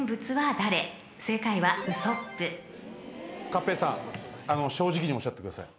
勝平さん正直におっしゃってください。